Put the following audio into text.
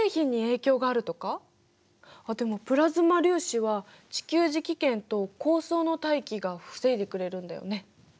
あっでもプラズマ粒子は地球磁気圏と高層の大気が防いでくれるんだよね。